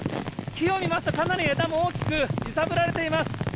木を見ますと、枝も大きく揺さぶられています。